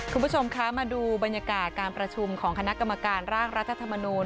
คุณผู้ชมคะมาดูบรรยากาศการประชุมของคณะกรรมการร่างรัฐธรรมนูล